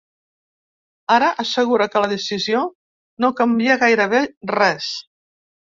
Ara, assegura que la decisió “no canvia gairebé res”.